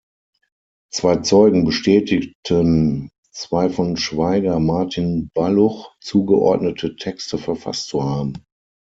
Zwei Zeugen bestätigten, zwei von Schweiger Martin Balluch zugeordnete Texte verfasst zu haben.